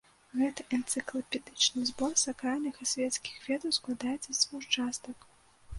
Гэты энцыклапедычны збор сакральных і свецкіх ведаў складаецца з дзвюх частак.